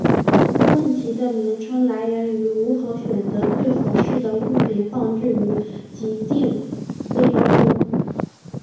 问题的名称来源于如何选择最合适的物品放置于给定背包中。